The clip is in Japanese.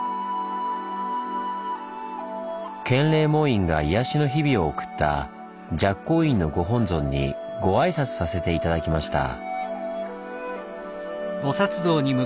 建礼門院が癒やしの日々を送った寂光院のご本尊にご挨拶させて頂きました。